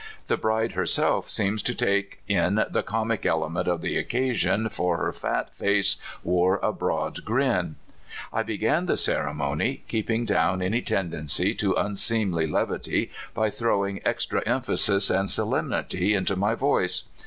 The bride herself seemed to take in the comic element of the occasion, for her fat face wore a broad grin. I began the ceremon} , keeping down any tendency to unseemly levity by throwing extra emphasis and solemnit}' into my voice.